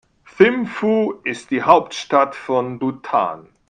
Thimphu ist die Hauptstadt von Bhutan.